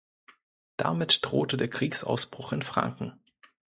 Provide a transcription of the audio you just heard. Damit drohte der Kriegsausbruch in Franken.